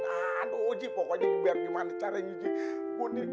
aduh g pokoknya gimana caranya g